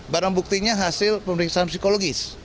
barang buktinya hasil pemeriksaan psikologis